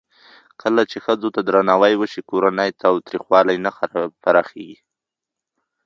کله چې ښځو ته درناوی وشي، کورنی تاوتریخوالی نه پراخېږي.